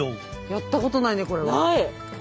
やったことないねこれは。ない。